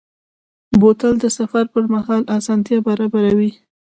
بوتل د سفر پر مهال آسانتیا برابروي.